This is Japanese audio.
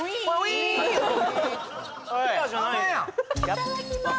いただきます！